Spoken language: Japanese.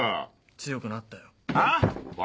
強くなったよ。は？笑